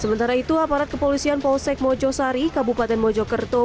sementara itu aparat kepolisian polsek mojosari kabupaten mojokerto